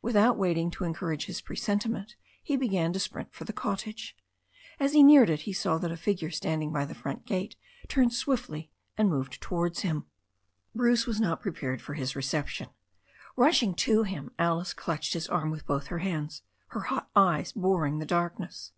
Without waiting to encourage his presentiment he began to sprint for the cottage. As he neared it he saw that a figure standing by the front gate turned swiftly and moved towards him. Bruce was liot prepared for his reception. Rushing up to him, Alice clutched his arm with both her hands, her hot eyes boring the darkness.